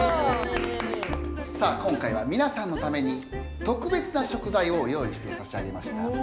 さあ今回はみなさんのためにとくべつな食材を用意してさし上げました。